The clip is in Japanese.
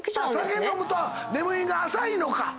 酒飲むと眠りが浅いのか！